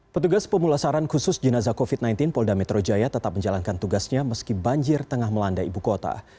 petugas pemulasaran khusus jenazah covid sembilan belas polda metro jaya tetap menjalankan tugasnya meski banjir tengah melanda ibu kota